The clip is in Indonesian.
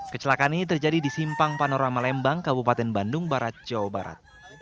kecelakaan ini terjadi di simpang panorama lembang kabupaten bandung barat jawa barat